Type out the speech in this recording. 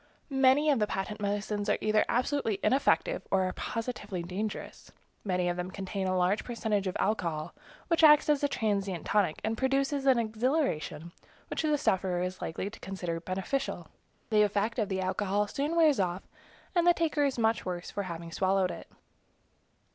Many of the patent medicines are either absolutely ineffective or are positively dangerous. Many of them contain a large percentage of alcohol, which acts as a transient tonic, and produces an exhilaration which the sufferer is likely to consider beneficial. The effect of the alcohol soon wears off, and the taker is much worse for having swallowed it.